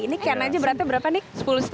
ini ken aja berarti berapa nik